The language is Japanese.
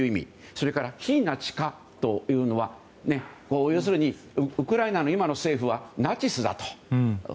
それから、非ナチ化というのは要するにウクライナの今の政府はナチスだと。